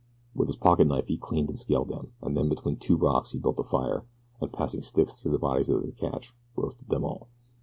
With his pocketknife he cleaned and scaled them, and then between two rocks he built a fire and passing sticks through the bodies of his catch roasted them all.